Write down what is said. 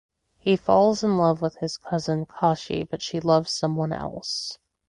He falls in love with his cousin Kashi but she loves someone else.